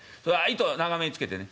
糸長めにつけてね。